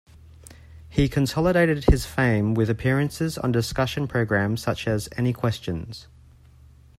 He consolidated his fame with appearances on discussion programmes such as Any Questions?